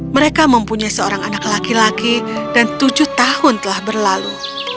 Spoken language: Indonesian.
mereka mempunyai seorang anak laki laki dan tujuh tahun telah berlalu